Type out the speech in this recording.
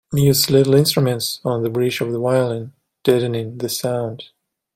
Mutes little instruments on the bridge of the violin, deadening the sound.